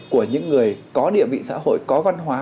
của những người có địa vị xã hội có văn hóa